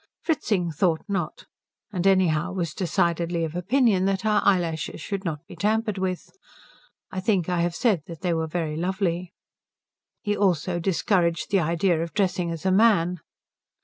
Fritzing thought not, and anyhow was decidedly of opinion that her eyelashes should not be tampered with; I think I have said that they were very lovely. He also entirely discouraged the idea of dressing as a man.